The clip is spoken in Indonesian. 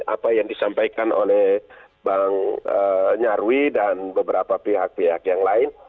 apa yang disampaikan oleh bang nyarwi dan beberapa pihak pihak yang lain